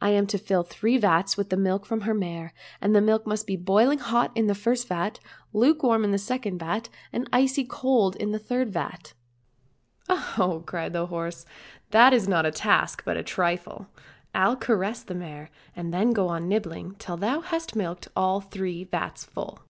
I am to fill three vats with the milk from her mare, and the milk must be boiling hot in the first vat, and lukewarm in the second, and icy cold in the third vat." —" Oh ho !" cried the horse, " that is not a task, but a trifle. I'll caress the mare, and then go on nibbling till thou hast milked all three vats full."